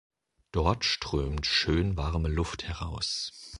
Dort strömt schön warme Luft heraus.